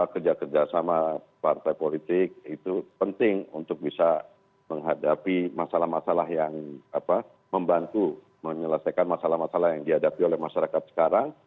kerja kerja sama partai politik itu penting untuk bisa menghadapi masalah masalah yang membantu menyelesaikan masalah masalah yang dihadapi oleh masyarakat sekarang